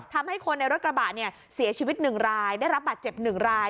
ทำให้คนในรถกระบะเสียชีวิตหนึ่งรายได้รับบัตรเจ็บหนึ่งราย